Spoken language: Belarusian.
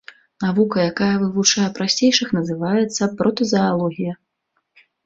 Навука, якая вывучае прасцейшых, называецца протазаалогія.